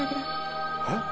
えっ？